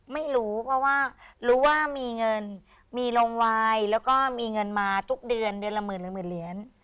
ไม่รู้เพราะว่ารู้ว่ามีเงินมีลงวายแล้วก็มีเงินมาทุกเดือนเดือนละหมื่นหรือหมื่นเหรียญ